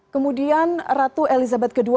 kemudian ratu elizabeth ii